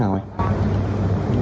mỗi ngày mỗi lịch